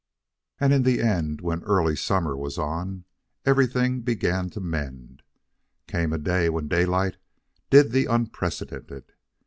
And in the end, when early summer was on, everything began to mend. Came a day when Daylight did the unprecedented.